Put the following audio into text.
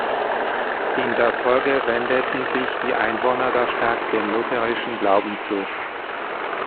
In der Folge wendeten sich die Einwohner der Stadt dem lutherischen Glauben zu.